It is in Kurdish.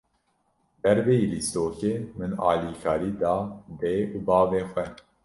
Derveyî lîstokê, min alîkarî da dê û bavê xwe.